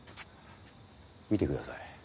見てください。